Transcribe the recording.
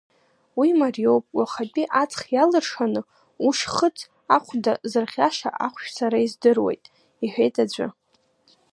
Уи мариоуп уахатәи аҵх иалыршаны ушьхыц ахәда зырӷьаша ахәшә сара издыруеит, — иҳәеит аӡәы.